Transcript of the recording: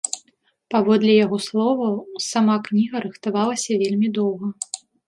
Паводле яго словаў, сама кніга рыхтавалася вельмі доўга.